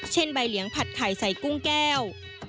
ใบเหลียงผัดไข่ใส่กุ้งแก้ว